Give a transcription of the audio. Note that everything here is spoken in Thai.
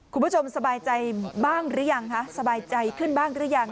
คุณผู้ชมสบายใจบ้างหรือยังสบายใจขึ้นบ้างหรือยัง